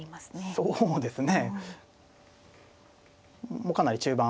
そうですね。